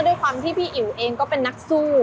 โดยความที่พี่อี๋อยูเองก็เป็นนักสู้